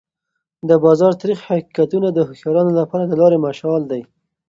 د بازار تریخ حقیقتونه د هوښیارانو لپاره د لارې مشال دی.